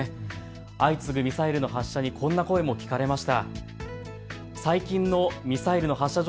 相次ぐミサイルの発射にこんな声も聞かれました。